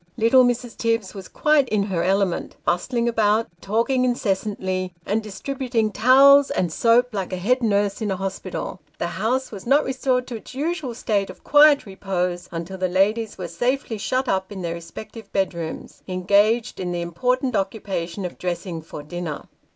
Little Mrs. Tibbs was quite in her element, bustling about, talking incessantly, and distributing towels and soap, like a head nurse in a hospital. The house was not restored to its usual state of quiet repose, until the ladies were safely shut up in their respective bedrooms, engaged in the important occupation of dressing for dinner.